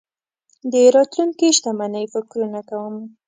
د راتلونکې شتمنۍ فکرونه کوم.